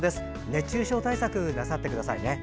熱中症対策、なさってくださいね。